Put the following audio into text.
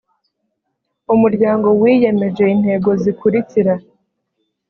umuryango wiyemeje intego zikurikira